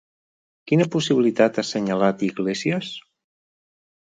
Quina possibilitat ha assenyalat Iglesias?